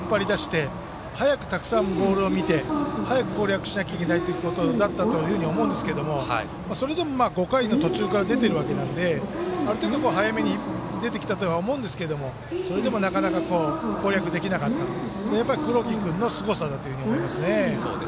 そういう意味では早く引っ張り出して早くたくさんボールを見て早く攻略しなきゃいけないということだったと思うんですがそれでも５回の途中から出ているわけなのである程度早めに出てきたとは思うんですがそれでもなかなか攻略できなかったのは黒木君のすごさだと思いますね。